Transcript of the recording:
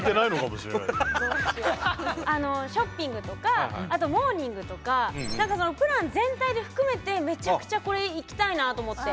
ショッピングとかあとモーニングとか何かそのプラン全体で含めてめちゃくちゃこれ行きたいなと思って。